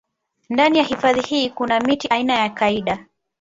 Ndani ya hifadhi hii kuna miti aina ya kaida